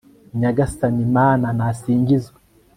nyagasani mana, nasingizwe